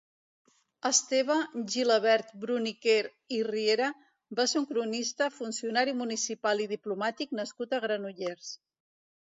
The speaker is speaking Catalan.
Esteve Gilabert Bruniquer i Riera va ser un cronista, funcionari municipal i diplomàtic nascut a Granollers.